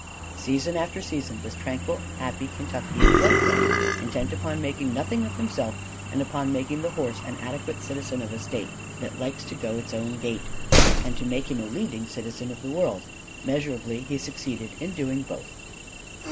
Season after season this tranquil happy Kentuckian dwelt there, intent upon making nothing of himself and upon making the horse an adequate citizen of a state that likes to go its own gait and to make him a leading citizen of the world: measurably he succeeded in doing both.